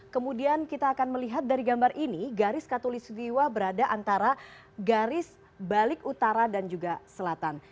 kemudian kita akan melihat dari gambar ini garis katolistiwa berada antara garis balik utara dan juga selatan